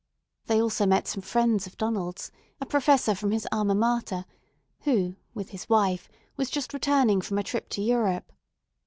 They also met some friends of Donald's, a professor from his alma mater, who with his wife was just returning from a trip to Europe.